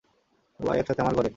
সবাই একসাথে আমার ঘরে?